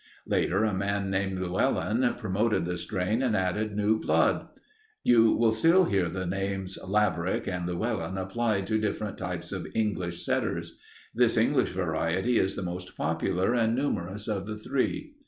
Later a man named Llewellyn promoted the strain and added new blood. You will still hear the names Laverack and Llewellyn applied to different types of English setters. This English variety is the most popular and numerous of the three.